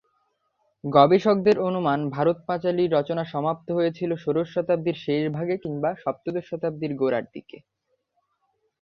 গবেষকদের অনুমান, "ভারত-পাঁচালী" রচনা সমাপ্ত হয়েছিল ষোড়শ শতাব্দীর শেষভাগে কিংবা সপ্তদশ শতাব্দীর গোড়ার দিকে।